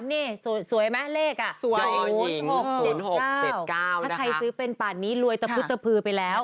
นี่สวยไหมเลขอ่ะสวย๖๗๖๗๙ถ้าใครซื้อเป็นป่านนี้รวยตะพุตตะพือไปแล้ว